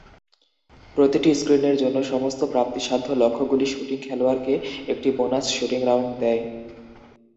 প্রতিটি স্ক্রিনের জন্য, সমস্ত প্রাপ্তিসাধ্য লক্ষ্যগুলি শুটিং খেলোয়াড়কে একটি বোনাস শুটিং রাউন্ড দেয়।